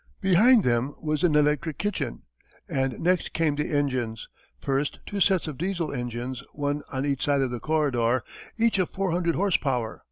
Behind them was an electric kitchen, and next came the engines, first two sets of Diesel engines, one on each side of the corridor, each of four hundred horse power.